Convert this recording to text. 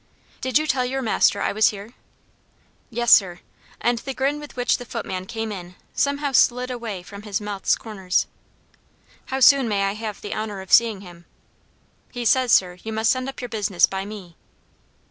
"Did you tell your master I was here?" "Yes, sir." And the grin with which the footman came in somehow slid away from his mouth's corners. "How soon may I have the honour of seeing him?" "He says, sir, you must send up your business by me."